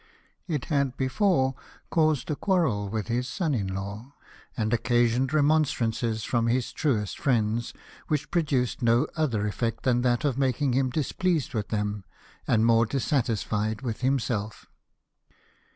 It had before caused a quarrel with his son in law, and occasioned remonstrances from his truest friends ; which produced no other effect than that of making him displeased with them, and more dissatisfied with himself.